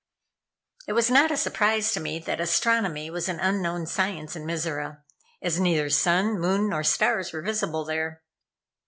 It was not a surprise to me that astronomy was an unknown science in Mizora, as neither sun, moon, nor stars were visible there.